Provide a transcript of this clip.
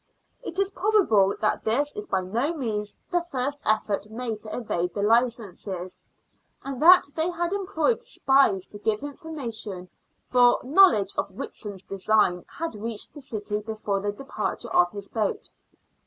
It is probable that this is by no means the first effort made to evade the licensees, and that they had employed spies to give information, for knowledge of Whitson's design had reached the city before the departure of his boat.